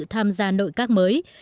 tham gia nội các mới